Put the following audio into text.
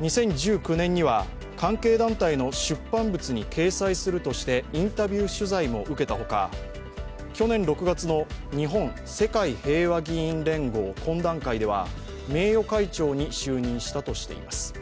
２０１９年には、関係団体の出版物に掲載するとして、インタビュー取材も受けたほか去年６月の日本・世界平和議員連合懇談会では名誉会長に就任したとしています。